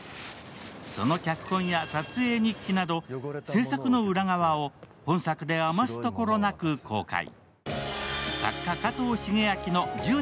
その脚本や撮影日記など制作の裏側を本作で余すところなく公開。